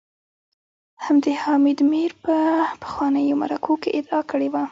همدې حامد میر په پخوانیو مرکو کي ادعا کړې وه